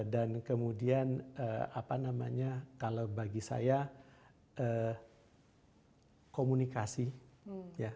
kemudian apa namanya kalau bagi saya komunikasi ya